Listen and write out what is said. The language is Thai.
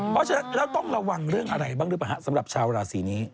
เพราะฉะนั้นแล้วต้องระวังเรื่องอะไรบ้างหรือเปล่าฮะสำหรับชาวราศีนี้